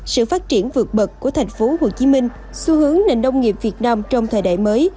sự phát triển vượt bậc của tp hcm xu hướng nền nông nghiệp việt nam trong thời đại mới